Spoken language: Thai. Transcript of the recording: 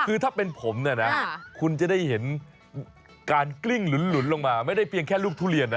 คือถ้าเป็นผมเนี่ยนะคุณจะได้เห็นการกลิ้งหลุนลงมาไม่ได้เพียงแค่ลูกทุเรียนนะ